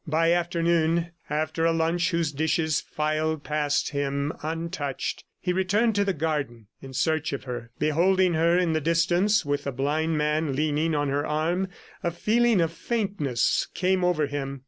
By afternoon, after a lunch whose dishes filed past him untouched, he returned to the garden in search of her. Beholding her in the distance with the blind man leaning on her arm, a feeling of faintness came over him.